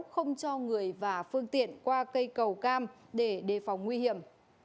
không cho người và phương tiện qua cây cầu cam để đề phòng nguy hiểm